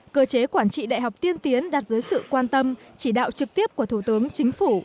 cơ chế quản trị đại học tiên tiến đặt dưới sự quan tâm chỉ đạo trực tiếp của thủ tướng chính phủ